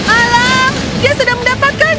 alam dia sudah mendapatkannya